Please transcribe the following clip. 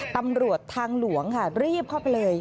ตำรวจทางหลวงค่ะรีบเข้าไปเลย